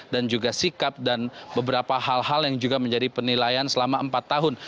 dan juga sikap dan beberapa hal hal yang juga menjadi penilaian selama empat tahun